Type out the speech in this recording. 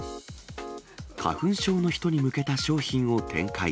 花粉症の人に向けた商品を展開。